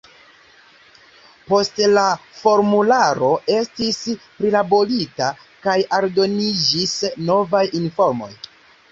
Poste la formularo estis prilaborita kaj aldoniĝis novaj informoj.